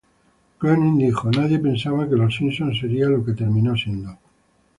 Groening dijo: "Nadie pensaba que "Los Simpson" sería lo que terminó siendo.